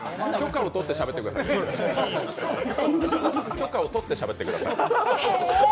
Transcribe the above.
許可を取ってしゃべってください。